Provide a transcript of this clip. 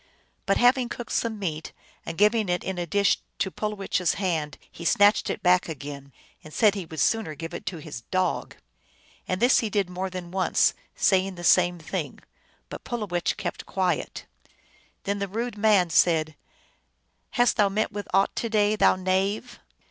But having cooked some meat, and given it in a dish to Pulowech s hand, he snatched it back again, and said he would sooner give it to his dog. And this he did more than once, saying the same thing. But Pulowech kept quiet. Then the rude man said, " Hast thou met with aught to day, thou knave